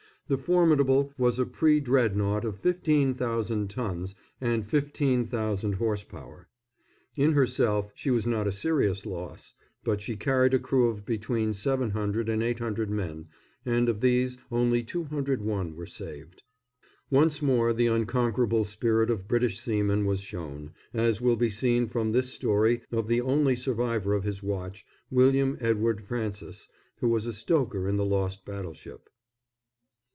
The Formidable was a pre Dreadnought of 15,000 tons and 15,000 horse power. In herself she was not a serious loss; but she carried a crew of between 700 and 800 men, and of these only 201 were saved. Once more the unconquerable spirit of British seamen was shown, as will be seen from this story of the only survivor of his watch William Edward Francis, who was a stoker in the lost battleship.